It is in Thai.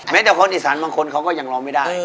แม้เป็นคนเอีสานบางคนก็ยังร้องไม่ได้